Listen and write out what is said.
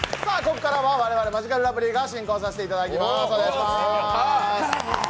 ここからは我々マヂカルラブリーが進行させていただきます。